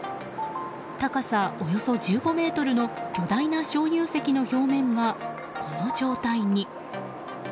高さおよそ１５ｍの巨大な鍾乳石の表面がこの状態に。